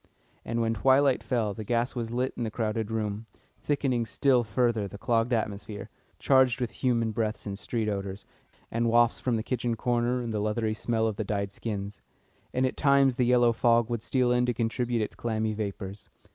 And when twilight fell the gas was lit in the crowded room, thickening still further the clogged atmosphere, charged with human breaths and street odours, and wafts from the kitchen corner and the leathery smell of the dyed skins; and at times the yellow fog would steal in to contribute its clammy vapours.